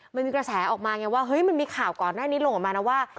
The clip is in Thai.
มันมีกระแสออกมาไงว่าเฮ้ยมันมีข่าวก่อนหน้านี้ลงออกมานะว่า